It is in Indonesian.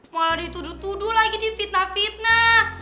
malah dituduh tuduh lagi nih fitnah fitnah